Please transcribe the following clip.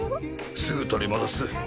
すぐ取り戻す。